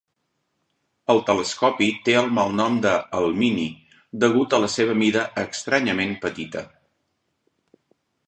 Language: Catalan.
El telescopi té el malnom de "El Mini" degut a la seva mida estranyament petita.